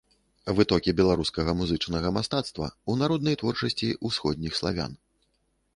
Вытокі беларускага музычнага мастацтва ў народнай творчасці ўсходніх славян.